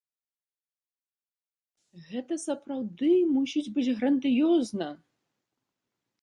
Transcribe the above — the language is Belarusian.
Гэта сапраўды мусіць быць грандыёзна!